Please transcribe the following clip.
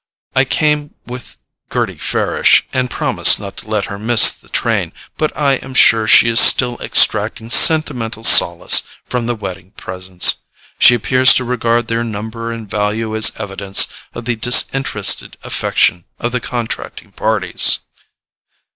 I came with Gerty Farish, and promised not to let her miss the train, but I am sure she is still extracting sentimental solace from the wedding presents. She appears to regard their number and value as evidence of the disinterested affection of the contracting parties."